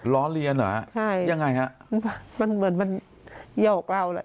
ล้อเลียนเหรอใช่ยังไงครับมันเหมือนมันเยาะกล่าวแหละ